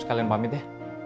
sekalian pamit ya